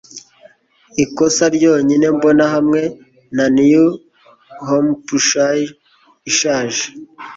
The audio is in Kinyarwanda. Ikosa ryonyine mbona hamwe na New Hampshire ishaje